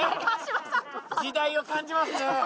時代を感じますね。